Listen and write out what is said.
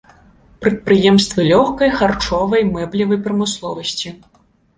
Прадпрыемствы лёгкай, харчовай, мэблевай прамысловасці.